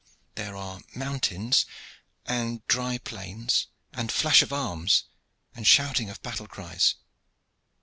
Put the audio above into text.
"There are mountains, and dry plains, and flash of arms and shouting of battle cries.